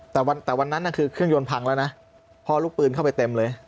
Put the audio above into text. แต่วันนั้นคือเครื่องยนต์พังแล้วนะพ่อลูกปืนเข้าไปเต็มเลย